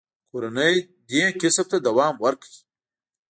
کورنۍ دې کسب ته دوام ورکړ.